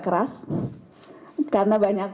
keras karena banyak